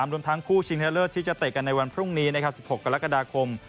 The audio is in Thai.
รวมทั้งคู่ชิงชนะเลิศที่จะเตะกันในวันพรุ่งนี้๑๖กรกฎาคม